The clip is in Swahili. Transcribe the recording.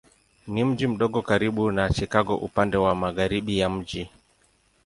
Ni mji mdogo karibu na Chicago upande wa magharibi ya mji.